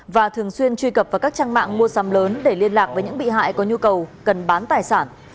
và thường xuyên truy cập vào các trang mạng mua sắm lớn để liên lạc với những bị hại có nhu cầu cần bán tài sản